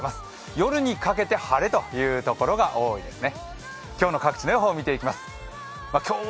夜にかけて晴れというところが多いですね。